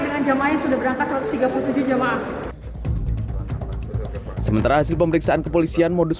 dengan jamaah yang sudah berangkat satu ratus tiga puluh tujuh jemaah sementara hasil pemeriksaan kepolisian modus